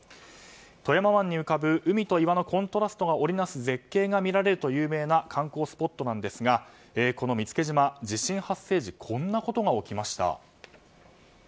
富山湾に浮かぶ海と岩のコントラストのあ絶景が見られると有名な観光スポットなんですがこの見附島、地震発生時こんなことが起きました。